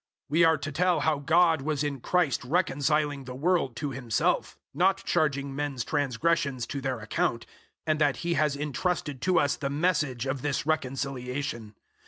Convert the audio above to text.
005:019 We are to tell how God was in Christ reconciling the world to Himself, not charging men's transgressions to their account, and that He has entrusted to us the Message of this reconciliation.